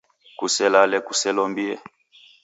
Kuselale kuselombie.